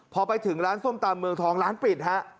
พอไปถึงร้านส้มตำเมืองทองร้านปิดฮะ